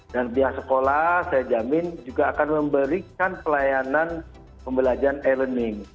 dan pihak sekolah saya jamin juga akan memberikan pelayanan pembelajaran e learning